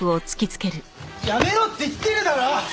やめろって言ってるだろ！